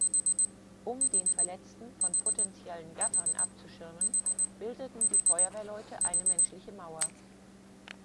Um den Verletzten von potenziellen Gaffern abzuschirmen, bildeten die Feuerwehrleute eine menschliche Mauer.